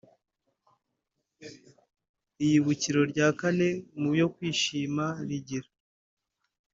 Iyibukiro rya kane mu yo kwishima rigira